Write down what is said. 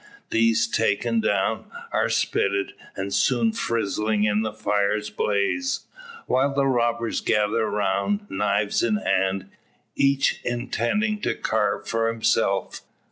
These taken down, are spitted, and soon frizzling in the fire's blaze; while the robbers gather around, knives in hand, each intending to carve for himself.